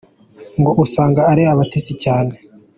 Ngo usanga ari abatesi cyane,.